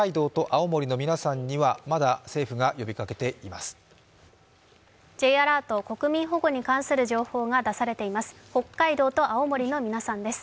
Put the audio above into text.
Ｊアラート、国民保護に関する情報が出されています。